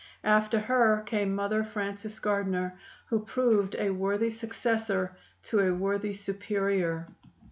After her came Mother Frances Gardiner, who proved a worthy successor to a worthy Superior.